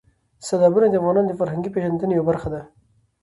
سیلابونه د افغانانو د فرهنګي پیژندنې یوه برخه ده.